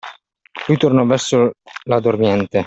Lui tornò verso la dormiente.